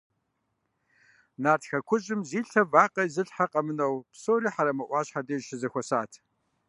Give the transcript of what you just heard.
Нарт хэкужьым зи лъэ вакъэ изылъхьэ къэмынэу псори Хьэрэмэ Ӏуащхьэ деж щызэхуэсат.